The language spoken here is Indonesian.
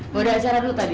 boleh acara dulu tadi